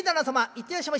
「行ってらっしゃい」。